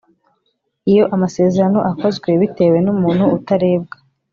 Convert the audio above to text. Iyo amasezerano akozwe bitewe n umuntu utarebwa